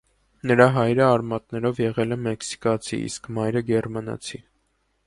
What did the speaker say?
Նրա հայրը արմատներով եղել է մեքսիկացի, իսկ մայրը՝ գերմանացի։